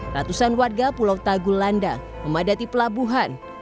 ratusan warga pulau tagulandang memadati pelabuhan